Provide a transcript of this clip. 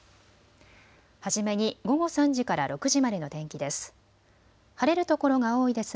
初めに午後３時から６時までの天気です。